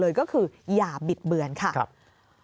ท่านก็ให้เกียรติผมท่านก็ให้เกียรติผม